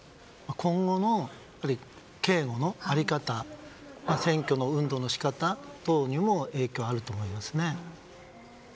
今後の警護の在り方選挙運動の仕方等にも影響があると思いますね。